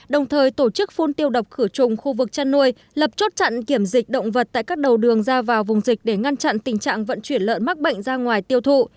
đồng thời tổ chức phun tiêu độc khử trùng khu vực chăn nuôi lập chốt chặn kiểm dịch động vật tại các đầu đường ra vào vùng dịch để ngăn chặn tình trạng vận chuyển lợn mắc bệnh ra ngoài tiêu thụ